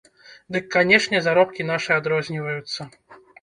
Дык канешне заробкі нашы адрозніваюцца!